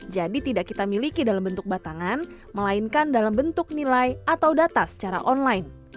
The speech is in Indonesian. jadi tidak kita miliki dalam bentuk batangan melainkan dalam bentuk nilai atau data secara online